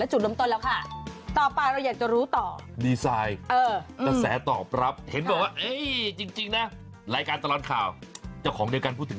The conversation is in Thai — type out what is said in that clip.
ได้รองอันดับสิบสองค่ะคือได้ที่สามของที่จีน